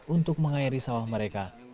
untuk mengairi sawah mereka